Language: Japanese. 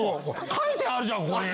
書いてあるじゃん、ここに。